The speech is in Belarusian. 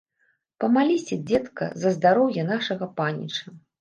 Памаліся, дзедка, за здароўе нашага паніча.